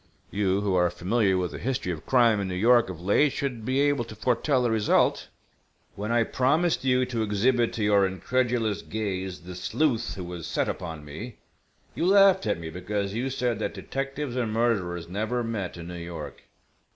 You who are familiar with the history of crime in New York of late should be able to foretell the result. When I promised you to exhibit to your incredulous gaze the sleuth who was set upon me, you laughed at me because you said that detectives and murderers never met in New York.